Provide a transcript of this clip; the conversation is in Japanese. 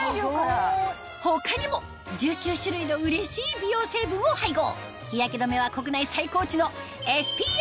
すごい！他にも１９種類のうれしい美容成分を配合